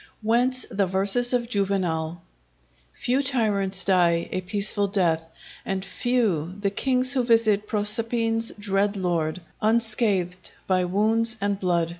Whence the verses of Juvenal:— "Few tyrants die a peaceful death, and few The kings who visit Proserpine's dread lord, Unscathed by wounds and blood."